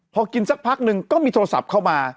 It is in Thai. พอกินสักพักหนึ่งก็มีโทรศัพท์เข้ามา